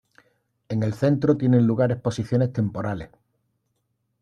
En el centro tienen lugar exposiciones temporales.